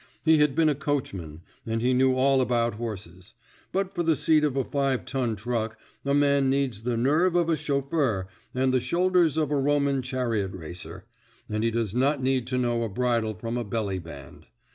He had been a coachman, and he knew all about horses; but for the seat of a five ton truck a man needs the nerve of a chauffeur and the shoulders of a Roman chariot racer ; and he does not need to know a bridle from a belly band.